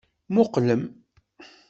Muqqlem!